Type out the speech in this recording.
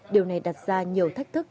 điều này đặt ra nhiều thách thức